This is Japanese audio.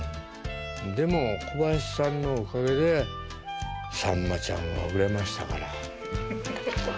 でも小林さんのおかげでさんまちゃんも売れましたから。